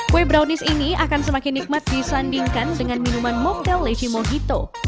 kue brownies ini akan semakin nikmat disandingkan dengan minuman momdel leci mogito